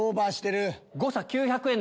誤差９００円です。